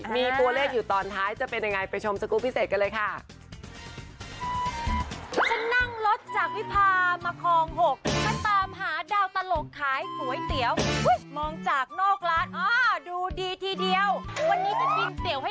มีตัวเลขอยู่ตอนท้ายจะเป็นยังไงไปชมสกรูปพิเศษกันเลยค่ะ